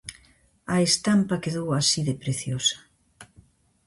A estampa quedou así de preciosa.